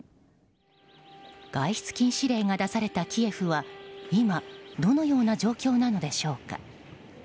外出禁止令が出されたキエフは今どのような状況なのでしょうか。